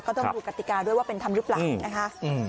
ก็ต้องถูกกฎิกาด้วยว่าเป็นทำรึเปล่านะคะ